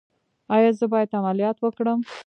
ایا زه باید عملیات وکړم؟